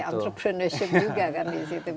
entrepreneurship juga kan di situ